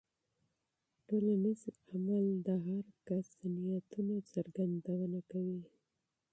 ټولنیز عمل د فرد د نیتونو څرګندونه کوي.